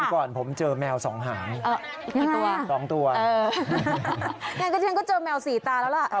ก่อนผมเจอแมว๒หางอีก๕อีก๒ตัวอย่างนั้นก็เจอแมว๔ตาแล้วล่ะ